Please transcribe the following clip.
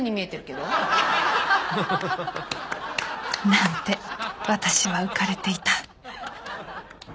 なんて私は浮かれていた。